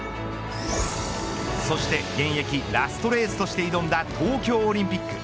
そして現役ラストレースとして挑んだ東京オリンピック。